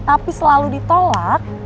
tapi selalu ditolak